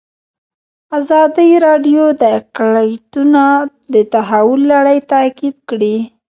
ازادي راډیو د اقلیتونه د تحول لړۍ تعقیب کړې.